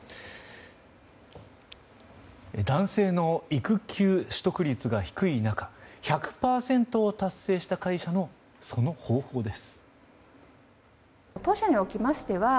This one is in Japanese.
男性の育休取得率が低い中１００％を達成した会社のその方法です。